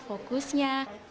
kita juga memasak